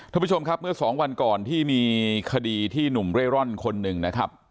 ท่านผู้ชมครับเมื่อสองวันก่อนที่มีคดีที่หนุ่มเร่ร่อนคนหนึ่งนะครับ